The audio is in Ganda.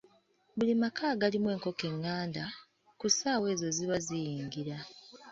Buli maka agalimu enkoko enganda, ku ssaawa ezo ziba ziyingira.